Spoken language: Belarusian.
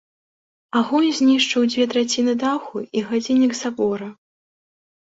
Агонь знішчыў дзве траціны даху і гадзіннік сабора.